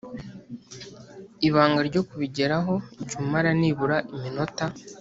Ibanga ryo kubigeraho Jya umara nibura iminota